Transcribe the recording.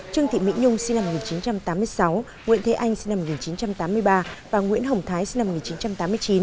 trương thị mỹ nhung sinh năm một nghìn chín trăm tám mươi sáu nguyễn thế anh sinh năm một nghìn chín trăm tám mươi ba và nguyễn hồng thái sinh năm một nghìn chín trăm tám mươi chín